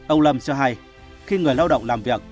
ông lâm cho hay khi người lao động làm việc